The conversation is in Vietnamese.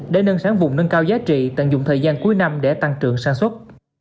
để nâng sáng vùng nâng cao giá trị tận dụng thời gian cuối năm để tăng trưởng sản xuất